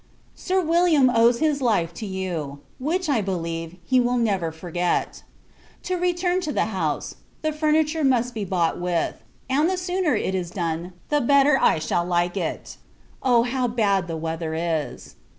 Sir William owes his life to you; which, I believe, he will never forget. To return to the house The furniture must be bought with it; and the sooner it is done, the better I shall like it. Oh! how bad the weather is!